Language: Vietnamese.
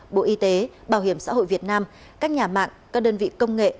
bộ y tế bảo hiểm xã hội việt nam các nhà mạng các đơn vị công nghệ